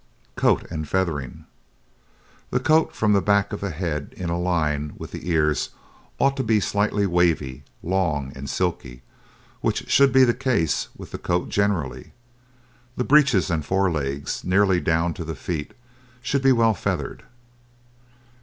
COAT AND FEATHERING The coat from the back of the head in a line with the ears ought to be slightly wavy, long, and silky, which should be the case with the coat generally; the breeches and fore legs, nearly down to the feet, should be well feathered.